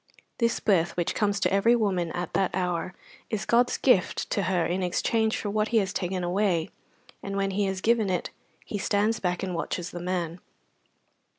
This birth which comes to every woman at that hour is God's gift to her in exchange for what He has taken away, and when He has given it He stands back and watches the man.